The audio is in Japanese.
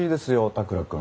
田倉君。